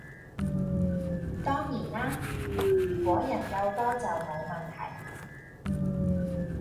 當然啦如果人夠多就冇問題